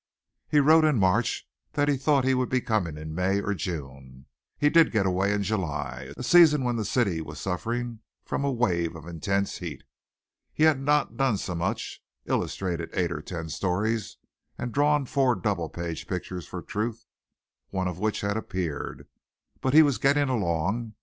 He wrote in March that he thought he would be coming in May or June. He did get away in July a season when the city was suffering from a wave of intense heat. He had not done so much illustrated eight or ten stories and drawn four double page pictures for Truth, one of which had appeared; but he was getting along.